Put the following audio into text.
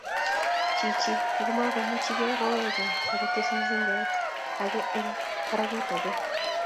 Chichi ko ngomakomuchegei koweek gaa akotes mziget age eng barakutap age